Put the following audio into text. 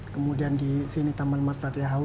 kemudian di sini taman mertat yahau